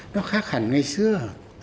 nó khác hẳn ngay xưa